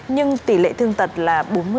nhưng tỷ lệ thương tật là bốn mươi